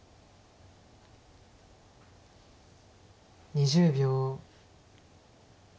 ２０秒。